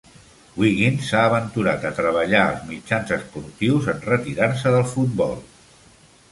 Wiggins s'ha aventurat a treballar als mitjans esportius en retirar-se del futbol.